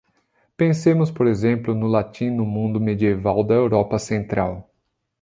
Pensemos, por exemplo, no latim no mundo medieval da Europa Central.